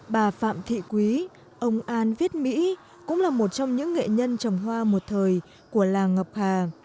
bà phạm thị quý ông an viết mỹ cũng là một trong những nghệ nhân trồng hoa một thời của làng ngọc hà